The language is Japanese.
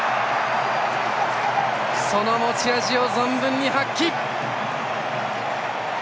その持ち味を存分に発揮！